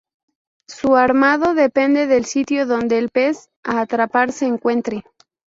Su armado depende del sitio donde el pez a atrapar se encuentre.